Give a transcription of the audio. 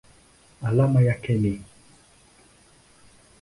Alama yake ni µm.